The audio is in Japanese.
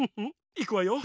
いくわよ。